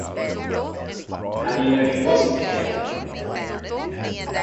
How do you know he wasn't here?